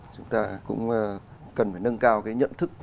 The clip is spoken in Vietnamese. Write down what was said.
chúng ta cũng cần phải nâng cao cái nhận thức